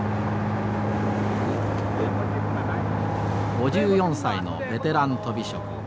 ５４歳のベテランとび職五十里さん。